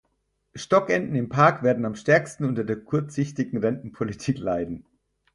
Stockenten im Park werden am stärksten unter der kurzsichtigen Rentenpolitik leiden.